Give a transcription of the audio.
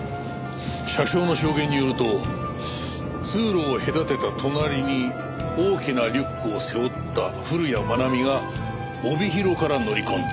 車掌の証言によると通路を隔てた隣に大きなリュックを背負った古谷愛美が帯広から乗り込んだ。